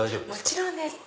もちろんです。